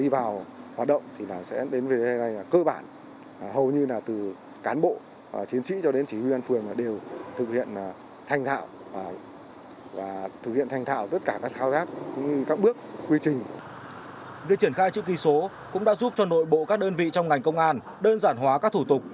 việc triển khai chữ ký số cũng đã giúp cho nội bộ các đơn vị trong ngành công an đơn giản hóa các thủ tục